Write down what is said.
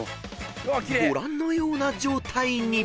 ［ご覧のような状態に］